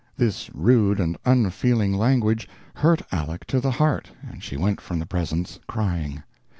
This rude and unfeeling language hurt Aleck to the heart, and she went from the presence crying.